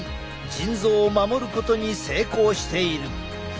腎臓を守ることに成功している。